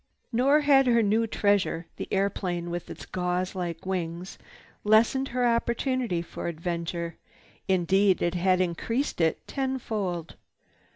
Nor had her new treasure, the airplane with its gauze like wings, lessened her opportunity for adventure. Indeed it had increased it tenfold.